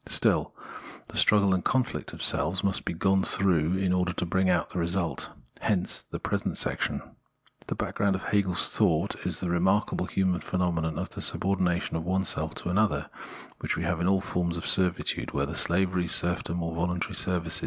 Still, the struggle and conflict of selves must be gone through in order to bring out this result. Hence the present section. The background of Hegel's thought is the remarkable human phenome non of the subordination of one self to another which we have in all forms of servitude — whether slavery, serfdom, or voluntary service.